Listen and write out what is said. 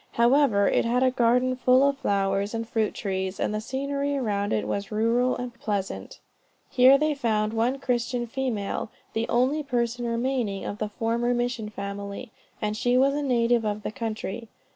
However, it had a garden full of flowers and fruit trees, and the scenery around it was rural and pleasant. Here they found one Christian female, the only person remaining of the former mission family, and she was a native of the country.